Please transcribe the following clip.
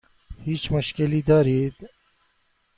هیچ مشکلی دارید؟